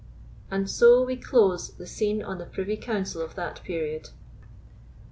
And so we close the scene on the privy council of that period.